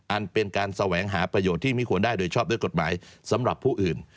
อันเป็นการแสวงหาประโยชน์ที่ไม่ควรได้โดยชอบด้วยกฎหมายสำหรับผู้อื่น